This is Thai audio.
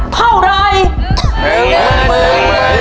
หนึ่งหมื่น